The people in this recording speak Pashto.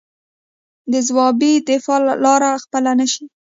د ځوابي دفاع لاره خپله نه شي.